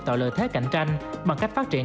tạo lợi thế cạnh tranh bằng cách phát triển